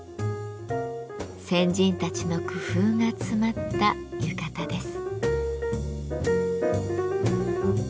先人たちの工夫が詰まった浴衣です。